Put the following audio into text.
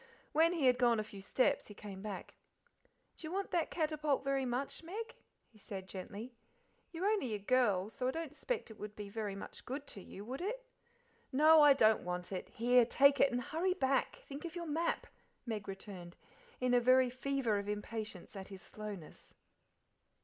When he had gone a few steps he came back. "D'ye want that catapult very much, Meg?" he said gently. "You're only a girl, so I don't 'spect it would be very much good to you, would it?" "No, I don't want it. Here, take it, and hurry back: think of your map," Meg returned, in a very fever of impatience at his slowness.